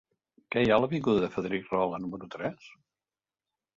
Què hi ha a l'avinguda de Frederic Rahola número tres?